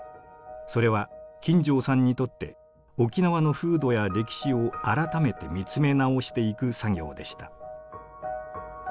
それは金城さんにとって沖縄の風土や歴史を改めて見つめ直していく作業でした。